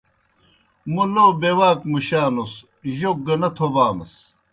مو لو بے واک مُشانُس، جوک گہ نہ تھوبامَس۔